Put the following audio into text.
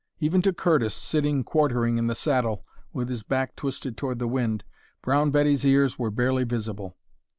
Even to Curtis, sitting quartering in the saddle with his back twisted toward the wind, Brown Betty's ears were barely visible.